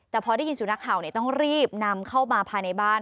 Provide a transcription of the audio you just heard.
แต่พอได้ยินสุนัขเห่าต้องรีบนำเข้ามาภายในบ้าน